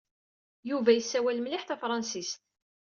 Yuba yessawal mliḥ tafṛensist.